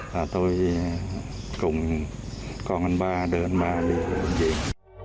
và tôi cùng con anh ba đưa anh ba đi bệnh viện